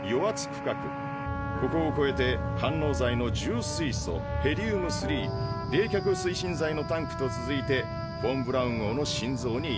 ここをこえて反応剤の重水素ヘリウム３冷却推進剤のタンクと続いてフォン・ブラウン号の心臓に至る。